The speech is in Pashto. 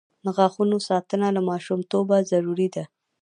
د غاښونو ساتنه له ماشومتوبه ضروري ده.